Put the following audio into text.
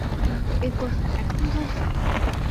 একথা এখন বলছেন?